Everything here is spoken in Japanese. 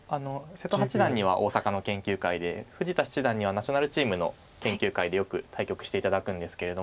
瀬戸八段には大阪の研究会で富士田七段にはナショナルチームの研究会でよく対局して頂くんですけれども。